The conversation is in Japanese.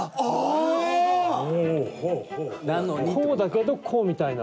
こうだけどこうみたいな。